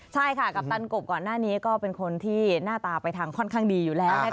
ใช่ค่ะกัปตันกบก่อนหน้านี้ก็เป็นคนที่หน้าตาไปทางค่อนข้างดีอยู่แล้วนะคะ